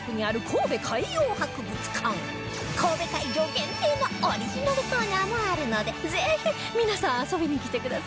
神戸会場限定のオリジナルコーナーもあるのでぜひ皆さん遊びに来てくださいね